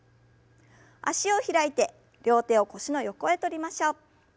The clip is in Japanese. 脚を開いて両手を腰の横へとりましょう。